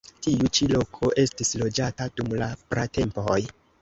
Tiu ĉi loko estis loĝata dum la pratempoj.